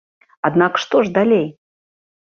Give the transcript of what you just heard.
Аднак што ж далей?